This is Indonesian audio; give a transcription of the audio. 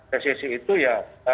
resesi itu ya